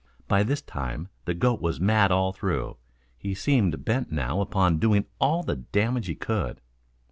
By this time the goat was mad all through. He seemed bent now upon doing all the damage he could.